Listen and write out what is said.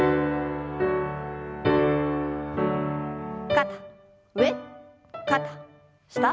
肩上肩下。